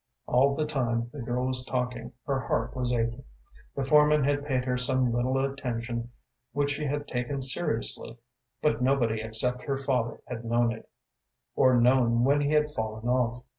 All the time the girl was talking her heart was aching. The foreman had paid her some little attention, which she had taken seriously, but nobody except her father had known it, or known when he had fallen off.